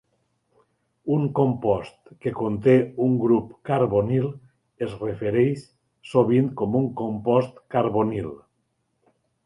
Un compost que conté un grup carbonil es refereix sovint com un compost carbonil.